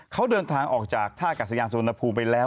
เขาเดินทางออกจากท่ากัศยานสุวรรณภูมิไปแล้ว